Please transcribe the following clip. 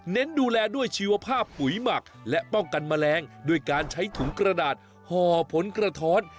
ดูแลด้วยชีวภาพปุ๋ยหมักและป้องกันแมลงด้วยการใช้ถุงกระดาษห่อผลกระท้อน